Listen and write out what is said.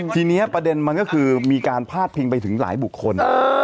ทีนี้ประเด็นมันก็คือมีการพาดพิงไปถึงหลายบุคคล